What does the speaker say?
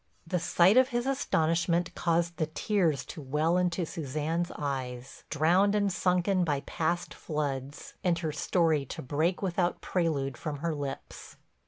The sight of his astonishment caused the tears to well into Suzanne's eyes, drowned and sunken by past floods, and her story to break without prelude from her lips.